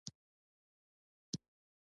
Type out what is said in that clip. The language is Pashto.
ایا زه باید حج ته لاړ شم؟